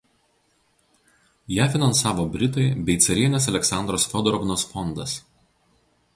Ją finansavo britai bei carienės Aleksandros Fiodorovnos fondas.